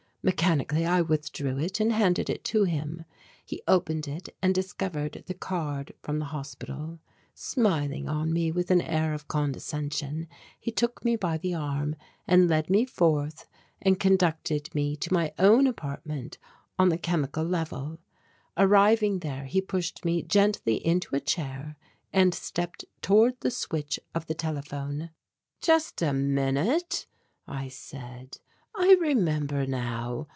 Mechanically I withdrew it and handed it to him. He opened it and discovered the card from the hospital. Smiling on me with an air of condescension, he took me by the arm and led me forth and conducted me to my own apartment on the chemical level. Arriving there he pushed me gently into a chair and stepped toward the switch of the telephone. "Just a minute," I said, "I remember now.